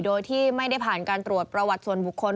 โดยที่ไม่ได้ผ่านการตรวจประวัติส่วนบุคคล